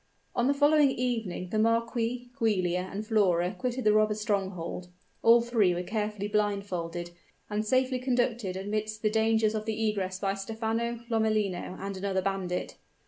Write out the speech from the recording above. On the following evening the Marquis, Giulia, and Flora quitted the robbers' stronghold all three were carefully blindfolded, and safely conducted amidst the dangers of the egress by Stephano, Lomellino, and another bandit.